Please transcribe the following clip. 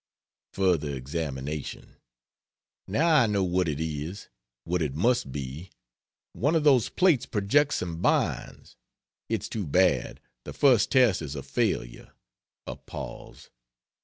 Further examination. "Now I know what it is what it must be: one of those plates projects and binds. It's too bad the first test is a failure." A pause.